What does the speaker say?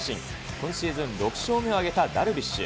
今シーズン６勝目を挙げたダルビッシュ。